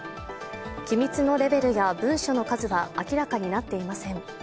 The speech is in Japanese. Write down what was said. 機密のレベルや文書の数は明らかになっていません。